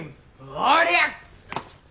おりゃ！